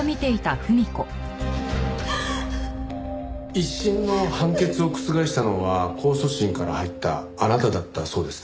一審の判決を覆したのは控訴審から入ったあなただったそうですね。